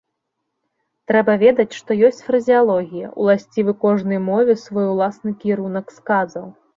Трэба ведаць, што ёсць фразеалогія, уласцівы кожнай мове свой уласны кірунак сказаў.